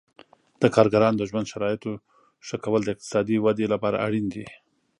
د کارګرانو د ژوند شرایطو ښه کول د اقتصادي ودې لپاره اړین دي.